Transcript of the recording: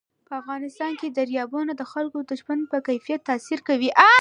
په افغانستان کې دریابونه د خلکو د ژوند په کیفیت تاثیر کوي.